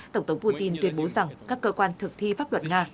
tổng thống putin tuyên bố rằng các cơ quan thực thi pháp luật nga